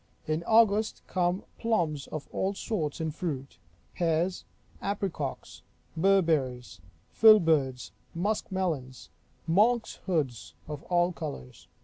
In August come plums of all sorts in fruit; pears; apricocks; berberries; filberds; musk melons; monks hoods, of all colors.